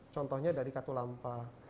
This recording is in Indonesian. contohnya dari katulampa